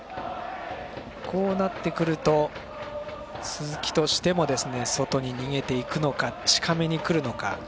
こうなってくると鈴木としても外に逃げていくのか近めにくるのか。